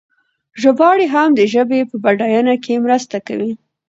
ژباړې هم د ژبې په بډاینه کې مرسته کوي.